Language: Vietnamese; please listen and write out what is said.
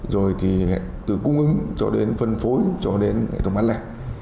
rồi thì từ cung ứng cho đến phân phối cho đến hệ thống bán lẻ